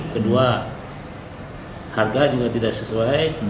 kedua harga juga tidak sesuai